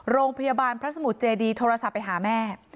โรงพยาบาลพระสมุทรเจดีโทรศัพท์ไปหาแม่